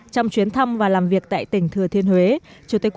trong chuyến thăm và làm việc tại tỉnh thừa thiên huế